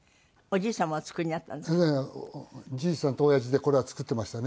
じいさんと親父でこれは作っていましたね。